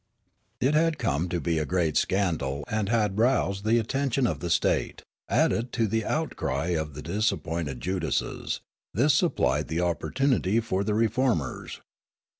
It had come to be a great scandal and had roused the attention of the state ; added to the outcry of the dis appointed Judases, this supplied the opportunity for the reformers.